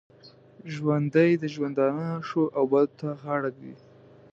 ژوندي د ژوندانه ښو او بدو ته غاړه ږدي